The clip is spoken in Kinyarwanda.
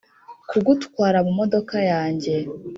kugutwara mumodoka yanjye